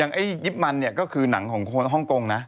ไอ้ยิปมันเนี่ยก็คือหนังของคนฮ่องกงนะ